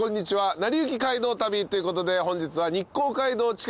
『なりゆき街道旅』ということで本日は。